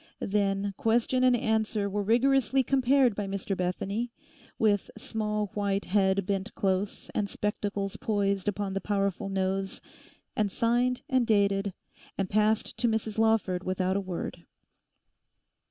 Then question and answer were rigorously compared by Mr Bethany, with small white head bent close and spectacles poised upon the powerful nose, and signed and dated, and passed to Mrs Lawford without a word.